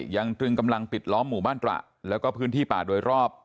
ตรึงกำลังปิดล้อมหมู่บ้านตระแล้วก็พื้นที่ป่าโดยรอบ